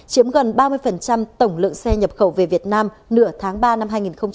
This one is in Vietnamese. chiếm gần ba mươi tổng lượng xe nhập khẩu về việt nam nửa tháng ba năm hai nghìn hai mươi